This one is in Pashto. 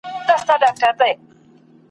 هر شوقي یې د رنګونو خریدار وي `